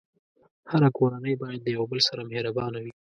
هره کورنۍ باید د یو بل سره مهربانه وي.